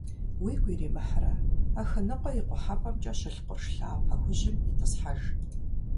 Уигу иримыхьрэ, Ахыныкъуэ и къухьэпӀэмкӀэ щылъ къурш лъапэ хужьым итӀысхьэж.